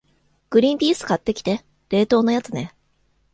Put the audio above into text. グリンピース買ってきて、冷凍のやつね。